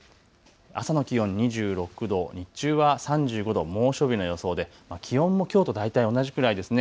朝の気温２６度、日中は３５度、猛暑日の予想で気温もきょうと大体同じくらいですね。